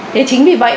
thế chính vì vậy